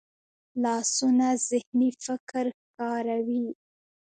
لاسونه ذهني فکر ښکاروي